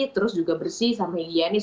terus juga bersih sampai higienis